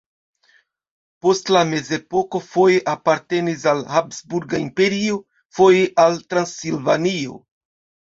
Post la mezepoko foje apartenis al Habsburga Imperio, foje al Transilvanio.